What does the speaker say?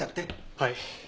はい。